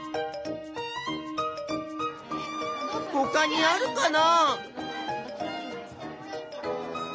ほかにあるかな？